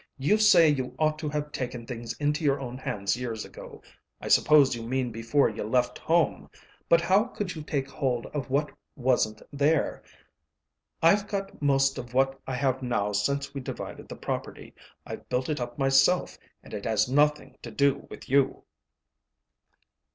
You say you ought to have taken things into your own hands years ago. I suppose you mean before you left home. But how could you take hold of what wasn't there? I've got most of what I have now since we divided the property; I've built it up myself, and it has nothing to do with you."